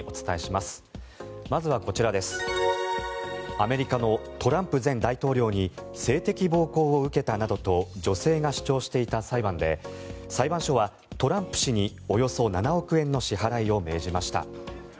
アメリカのトランプ前大統領に性的暴行を受けたなどと女性が主張していた裁判で裁判所はトランプ氏におよそ７億円の支払いを命じました。